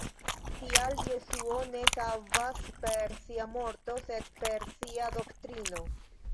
Tial Jesuo ne savas per sia morto, sed per sia doktrino.